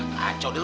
nah kacau dia lu